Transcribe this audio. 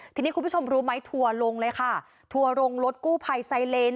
ทีนี้คุณผู้ชมรู้ไหมทัวร์ลงเลยค่ะทัวร์ลงรถกู้ภัยไซเลน